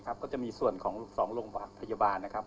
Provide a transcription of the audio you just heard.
ก็จะมีส่วนของ๒โรงพยาบาล